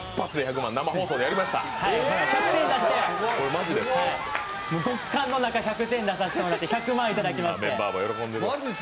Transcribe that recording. １００点出して、極寒の中、１００点出させていただいて１００万円いただきまして。